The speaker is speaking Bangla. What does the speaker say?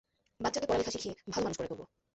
বাচ্চাকে পড়ালেখা শিখিয়ে ভালো মানুষ করে তুলব।